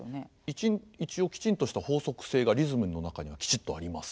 一応きちんとした法則性がリズムの中にはきちっとあります。